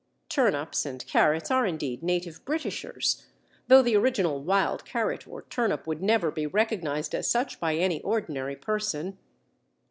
Turnips and Carrots are indeed native Britishers, though the original wild carrot or turnip would never be recognized as such by any ordinary person.